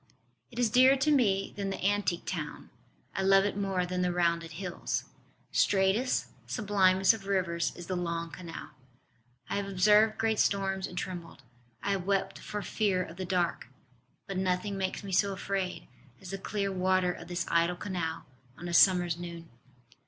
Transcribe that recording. It is dearer to me than the antique town: I love it more than the rounded hills: Straightest, sublimest of rivers is the long Canal. I have observed great storms and trembled: I have wept for fear of the dark. But nothing makes me so afraid as the clear water of this idle canal on a summer s noon.